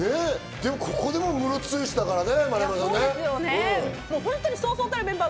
ここでもムロツヨシだからね。